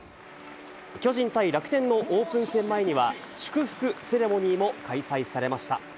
巨人対楽天のオープン戦前には、祝福セレモニーも開催されました。